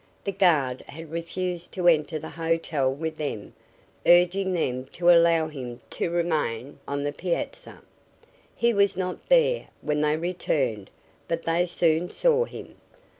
The guard had refused to enter the hotel with them, urging them to allow him to remain on the piazza. He was not there when they returned, but they soon saw him.